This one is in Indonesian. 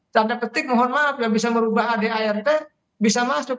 tanda ketik mohon maaf yang bisa merubah adi art bisa masuk